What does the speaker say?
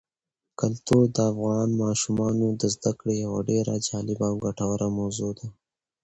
کلتور د افغان ماشومانو د زده کړې یوه ډېره جالبه او ګټوره موضوع ده.